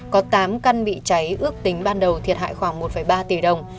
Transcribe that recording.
có tám căn bị cháy ước tính ban đầu thiệt hại khoảng một ba tỷ đồng